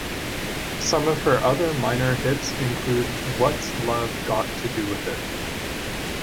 Some of her other minor hits include What's Love Got to Do with It?